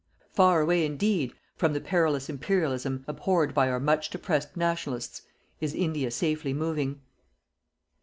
Far away indeed from the perilous Imperialism abhorred by our much depressed "Nationalists" is India safely moving.